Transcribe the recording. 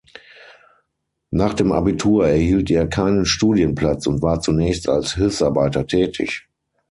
Nach dem Abitur erhielt er keinen Studienplatz und war zunächst als Hilfsarbeiter tätig.